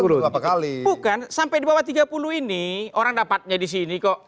bukan sampai di bawah tiga puluh ini orang dapatnya di sini kok